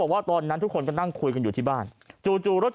ว่าตอนนั้นทุกคนก็นั่งคุยกันอยู่ที่บ้านจู่รถ